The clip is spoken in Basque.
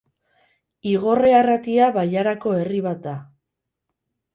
Igorre Arratia bailarako herri bat da.